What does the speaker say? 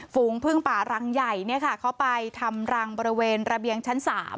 ฝูงพึ่งป่ารังใหญ่เขาไปทำรังบริเวณระเบียงชั้น๓